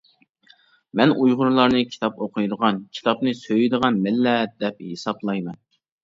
مەن ئۇيغۇرلارنى كىتاب ئوقۇيدىغان، كىتابنى سۆيىدىغان مىللەت، دەپ ھېسابلايمەن.